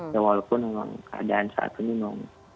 ya walaupun dengan keadaan saat ini memang